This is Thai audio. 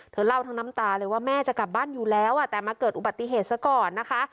เล่าทั้งน้ำตาเลยว่าแม่จะกลับบ้านอยู่แล้วแต่มาเกิดอุบัติเหตุซะก่อนนะคะ